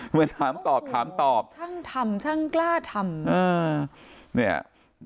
เหมือนถามตอบถามตอบช่างทำช่างกล้าทำอ่าเนี้ยอ่า